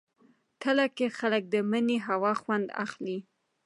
تله کې خلک د مني هوا خوند اخلي.